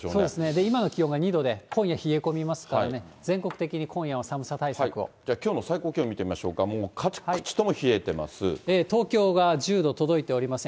今の気温が２度で、今夜、冷え込みますからね、きょうの最高気温見てみまし東京が１０度届いておりません。